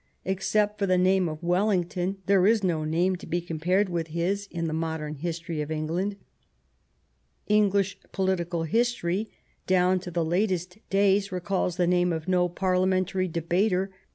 Ex cept for the name of Wellington, there is no name to be compared with his in the modem history of England. English political history down to the latest days re calls the name of no parliamentary debater greater, on .